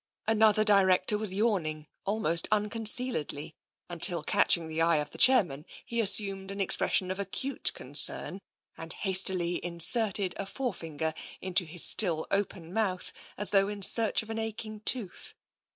Another director was yawning almost unconcealedly, until, catching the eye of the chairman, he assumed an expression of acute concern and hastily inserted a forefinger into his still open mouth as though in search of an aching tooth.